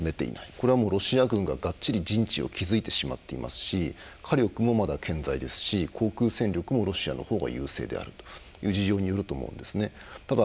これはロシア軍が、がっちり陣地を築いてしまっていますし火力もまだ健在ですし航空戦力もロシアのほうが優勢である事情によると思うんですね。